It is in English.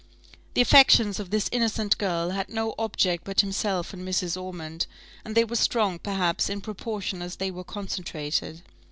The affections of this innocent girl had no object but himself and Mrs. Ormond, and they were strong, perhaps, in proportion as they were concentrated.